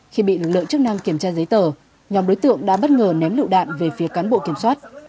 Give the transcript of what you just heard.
khi bị lực lượng chức năng kiểm tra giấy tờ nhóm đối tượng đã bất ngờ ném lựu đạn về phía cán bộ kiểm soát